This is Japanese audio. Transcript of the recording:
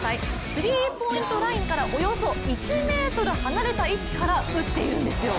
スリーポイントラインからおよそ１ｍ離れた位置から打っているんですよ。